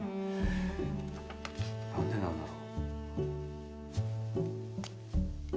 なんでなんだろう。